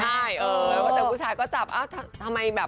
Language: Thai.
ใช่แล้วก็เจอผู้ชายก็จับเอ้าทำไมแบบ